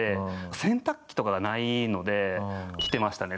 洗濯機とかがないので着てましたね